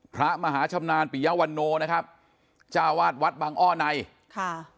พระมหาชำนาญปิยวันโนนะครับจ้าวาดวัดบางอ้อในค่ะ